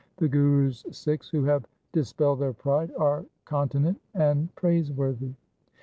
2 The Guru's Sikhs who have dispelled their pride are continent and praiseworthy.